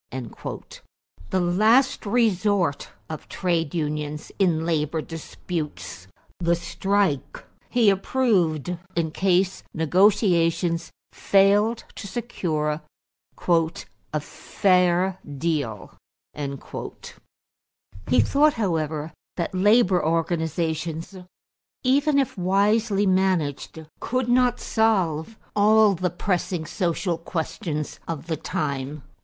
The last resort of trade unions in labor disputes, the strike, he approved in case negotiations failed to secure "a fair deal." He thought, however, that labor organizations, even if wisely managed, could not solve all the pressing social questions of the time.